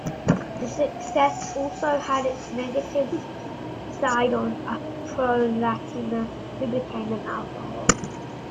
The success also had its negative side on Urpo Lahtinen who became an alcoholic.